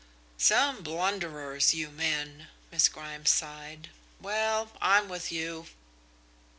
"Some blunderers, you men," Miss Grimes sighed. "Well, I'm with you."